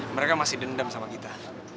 mereka masih dendam sama kita